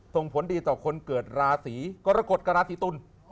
ส่งผลดีต่อคนเกิดราศีกรกฎกับราศีตุล